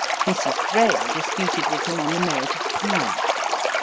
Mrs. Thrale disputed with him on the merit of Prior.